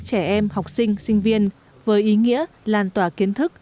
trẻ em học sinh sinh viên với ý nghĩa làn tỏa kiến thức